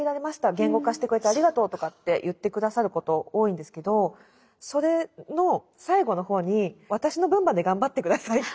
「言語化してくれてありがとう」とかって言って下さること多いんですけどそれの最後の方に「私の分まで頑張って下さい」とかっていうような。